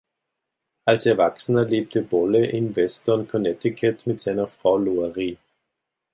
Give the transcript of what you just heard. Als Erwachsener lebte Bolle in Weston, Connecticut, mit seiner Frau Lori.